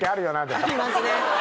ありますね。